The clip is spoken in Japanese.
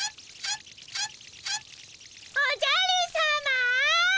おじゃるさま！